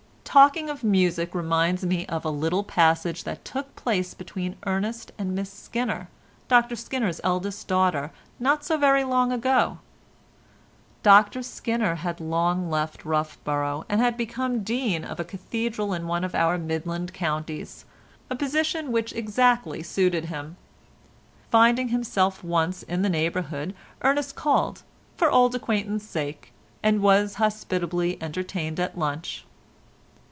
Talking of music reminds me of a little passage that took place between Ernest and Miss Skinner, Dr Skinner's eldest daughter, not so very long ago. Dr Skinner had long left Roughborough, and had become Dean of a Cathedral in one of our Midland counties—a position which exactly suited him. Finding himself once in the neighbourhood Ernest called, for old acquaintance sake, and was hospitably entertained at lunch.